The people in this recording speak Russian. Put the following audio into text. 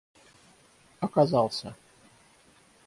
оказался